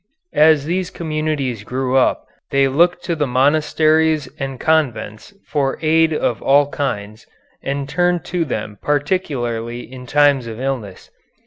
As these communities grew up, they looked to the monasteries and convents for aid of all kinds, and turned to them particularly in times of illness.